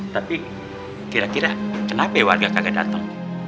tapi kira kira kenapa warga gak datang